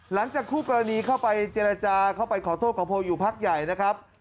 หลังจากคู่กรณีเข้าไปเจรจาเข้าไปขอโทษขอโพยอยู่พักใหญ่นะครับ